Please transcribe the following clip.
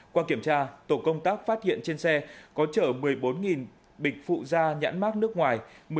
qua kiểm tra tổ công tác phát hiện trên xe có chở một mươi bốn bịch phụ da nhãn mát nước ngoài